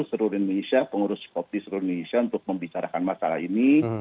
seluruh indonesia pengurus kopi seluruh indonesia untuk membicarakan masalah ini